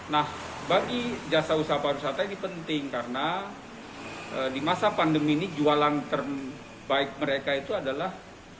nah bagi jasa usaha pariwisata ini penting karena di masa pandemi ini jualan terbaik mereka itu adalah